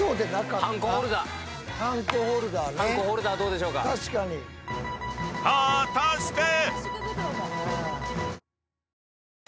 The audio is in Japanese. ［果たして⁉］